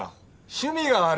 趣味が悪い。